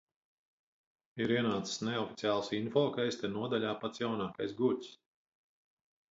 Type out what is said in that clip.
Ir ienācis neoficiāls info, ka es te nodaļā pats jaunākais gurķis.